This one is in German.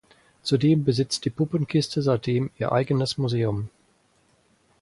Zudem besitzt die Puppenkiste seitdem ihr eigenes Museum.